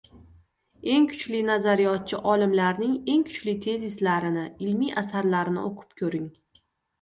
Eng kuchli nazariyotchi olimlarning eng kuchli tezislarini, ilmiy asarlarini oʻqib koʻring.